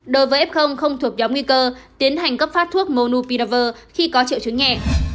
đối với f không thuộc nhóm nguy cơ tiến hành cấp phát thuốc monopidavir khi có triệu chứng nhẹ